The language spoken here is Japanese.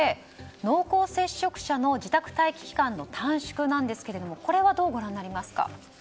濃厚接触者の自宅待機期間の短縮なんですけれどもこれは、どうご覧になりますか。